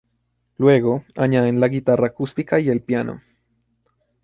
Luego, añaden la guitarra acústica y el piano.